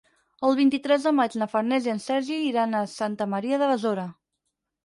El vint-i-tres de maig na Farners i en Sergi iran a Santa Maria de Besora.